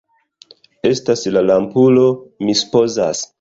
Estas la lampulo, mi supozas.